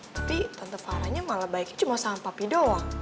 tapi tante farahnya malah baiknya cuma sama papa doang